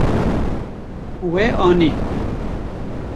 We anî.